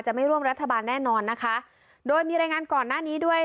ไม่ร่วมรัฐบาลแน่นอนนะคะโดยมีรายงานก่อนหน้านี้ด้วย